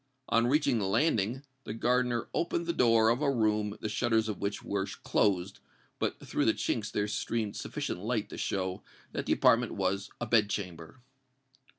On reaching the landing, the gardener opened the door of a room the shutters of which were closed; but through the chinks there streamed sufficient light to show that the apartment was a bed chamber.